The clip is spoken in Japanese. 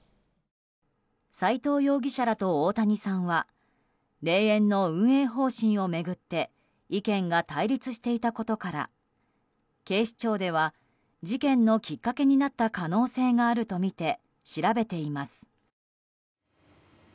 齋藤容疑者らと大谷さんは霊園の運営方針を巡って意見が対立していたことから警視庁では事件のきっかけになった可能性があるとみて調べています。